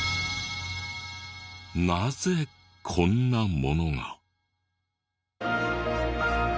なぜこんなものが？